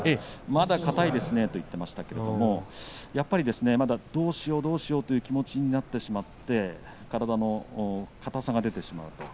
まだ硬いですね、と言っていましたけれどもやっぱりどうしようどうしようという気持ちになってしまって体の硬さが出てしまうと。